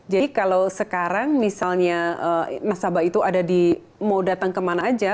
jadi kalau sekarang misalnya nasabah itu mau datang ke mana saja